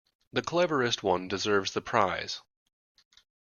The cleverest one deserves the prize.